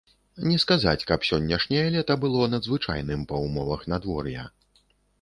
Не сказаць, каб сённяшняе лета было надзвычайным па ўмовах надвор'я.